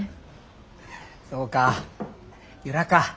そうか由良か。